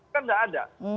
kan tidak ada